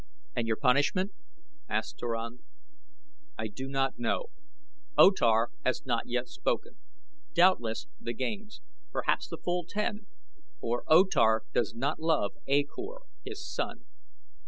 "And your punishment?" asked Turan. "I do not know. O Tar has not yet spoken. Doubtless the games perhaps the full ten, for O Tar does not love A Kor, his son."